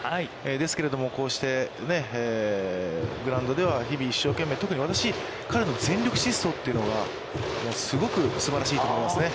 ですけれども、こうしてグラウンドでは日々一生懸命、特に私、彼の全力疾走というのがすごくすばらしいと思いますね。